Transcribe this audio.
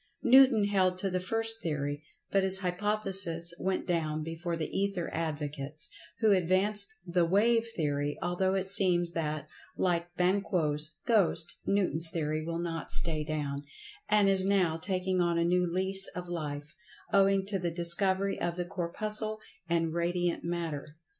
Newton held to the first theory, but his hypothesis went down before the Ether advocates, who advanced the "wave theory," although it seems that, like Banquo's ghost, Newton's theory will not stay down, and is now taking on a new lease of life, owing to the discovery of the Corpuscle and Radiant Matter.